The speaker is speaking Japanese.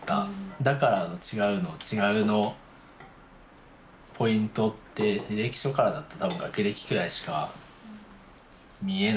「だから違う」の「違う」のポイントって履歴書からだと多分学歴くらいしか見えないと思うので。